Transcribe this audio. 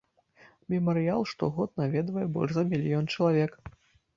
Мемарыял штогод наведвае больш за мільён чалавек.